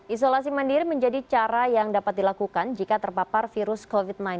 isolasi mandiri menjadi cara yang dapat dilakukan jika terpapar virus covid sembilan belas